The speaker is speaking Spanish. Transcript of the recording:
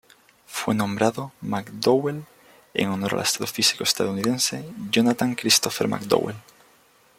Fue nombrado McDowell en honor al astrofísico estadounidense Jonathan Christopher McDowell.